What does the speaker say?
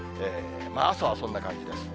朝はそんな感じです。